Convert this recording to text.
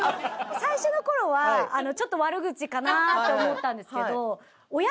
最初の頃はちょっと悪口かなって思ったんですけどおや